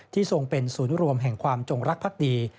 ทรงเป็นศูนย์รวมแห่งความจงรักภักดี